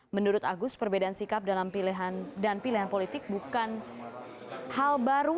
menurut agus perbedaan sikap dalam pilihan dan pilihan politik bukan hal baru